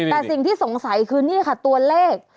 แต่สิ่งที่สงสัยคือนี่ค่ะตัวเลข